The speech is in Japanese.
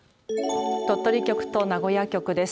鳥取局と名古屋局です。